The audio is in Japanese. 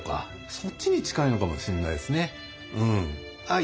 そっちに近いのかもしんないですね。